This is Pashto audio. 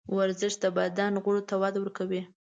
ورزش د بدن غړو ته وده ورکوي.